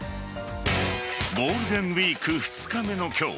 ゴールデンウイーク２日目の今日